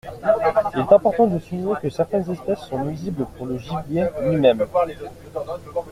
Il est important de souligner que certaines espèces sont nuisibles pour le gibier lui-même.